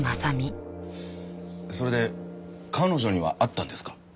それで彼女には会ったんですか？